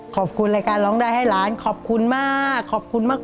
ขอบคุณรายการร้องได้ให้ล้านขอบคุณมากขอบคุณมาก